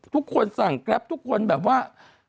ทุกคนสั่งแกรปทุกคนแบบว่า